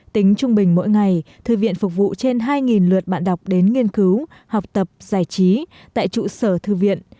tính trung bình mỗi ngày thư viện phục vụ trên hai lượt bạn đọc đến nghiên cứu học tập giải trí tại trụ sở thư viện